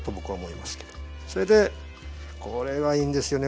それでこれがいいんですよね